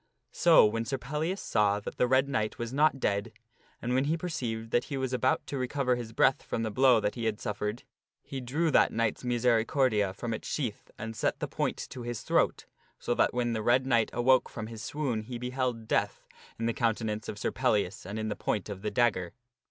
So when Sir Pellias saw that the Red Knight was not dead, and when he perceived that he was about to recover his breath from the blow that he had suffered, he drew that knight's misericordia from its sheath and set the point to his throat, so that when the Red Knight awoke from his swoon he beheld death, in the countenance of Sir Pellias and in the point of the dagger.